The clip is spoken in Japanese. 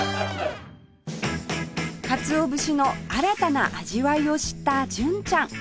鰹節の新たな味わいを知った純ちゃん